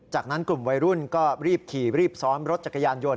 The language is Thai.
จากนั้นกลุ่มวัยรุ่นก็รีบขี่รีบซ้อนรถจักรยานยนต